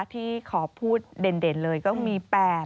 ที่ขอพูดเด่นเลยก็มี๘